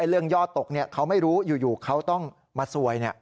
ยอดตกเขาไม่รู้อยู่เขาต้องมาซวย